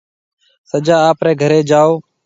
سجا آپرَي گھريَ جائو۔